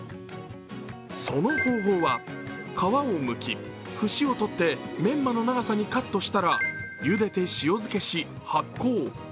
その方法は、皮をむき、節をとってメンマの長さにカットしたら茹でて塩漬けし発酵。